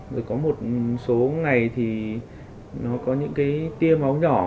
rồi có một số ngày thì nó có những cái tia máu nhỏ